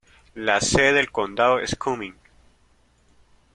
La sede de condado es Cumming.